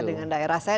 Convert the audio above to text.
dengan daerah saya